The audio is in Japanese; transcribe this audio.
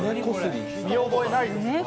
見覚えがないですか？